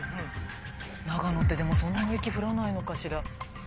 長野ってでもそんなに雪降らないのかしら？